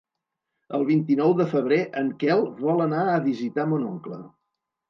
El vint-i-nou de febrer en Quel vol anar a visitar mon oncle.